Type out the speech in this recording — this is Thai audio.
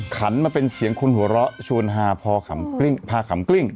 ขันมาเป็นเสียงคนหัวเราะชวนฮาพอขำพาขำกลิ้ง